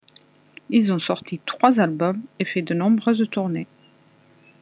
Ils ont sorti trois albums et fait de nombreuses tournées.